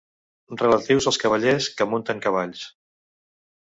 Relatius als cavallers que munten cavalls.